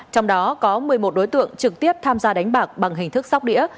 trong đó có một mươi một đối tượng trực tiếp tham gia đánh bạc bằng hình thức sóc đĩa